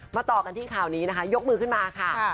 ต่อกันที่ข่าวนี้นะคะยกมือขึ้นมาค่ะ